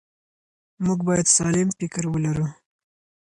موږ باید سالم فکر ولرو.